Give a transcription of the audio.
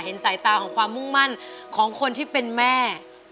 สายตาของความมุ่งมั่นของคนที่เป็นแม่